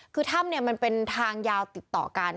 คือถ้ำเนี่ยมันเป็นทางยาวติดต่อกัน